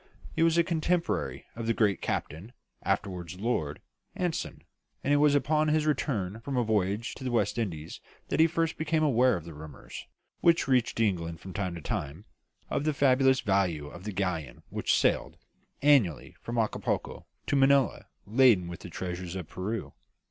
He was a contemporary of the great Captain (afterwards Lord) Anson; and it was upon his return from a voyage to the West Indies that he first became aware of the rumours, which reached England from time to time, of the fabulous value of the galleon which sailed annually from Acapulco to Manilla laden with the treasure of Peru.